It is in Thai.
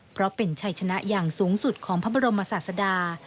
เพราะเป็นชัยชนะอย่างสูงสุดของพระบรมศาสดา